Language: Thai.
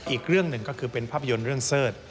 อีกเรื่องหนึ่งก็คือเป็นภาพยนตร์เรื่องเสิร์ช